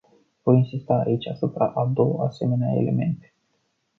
Voi insista aici asupra a două asemenea elemente.